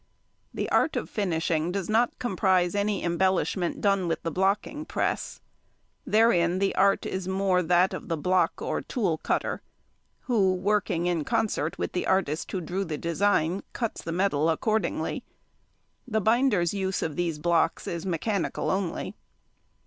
The art of finishing does not comprise any embellishment done with the "blocking press." Therein the art is more that of the block or tool cutter, who, working in concert with the artist who drew the design, cuts the metal accordingly. The binder's use of these blocks is mechanical only.